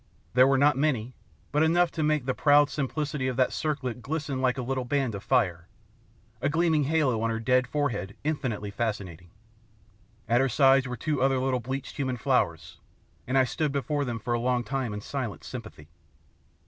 There were not many, but enough to make the proud simplicity of that circlet glisten like a little band of fire a gleaming halo on her dead forehead infinitely fascinating. At her sides were two other little bleached human flowers, and I stood before them for a long time in silent sympathy.